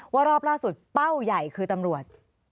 ว่ารอบล่าสุดเป้าใหญ่คือตำรวจ